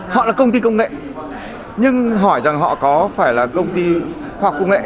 họ là công ty công nghệ nhưng hỏi rằng họ có phải là công ty khoa học công nghệ